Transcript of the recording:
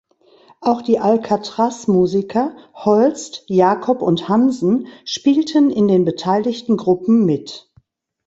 Auch die Alcatraz-Musiker Holst, Jacob und Hansen spielten in den beteiligten Gruppen mit.